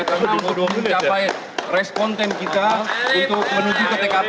karena dibawah dua menit capai respon tim kita untuk menuju ke tkp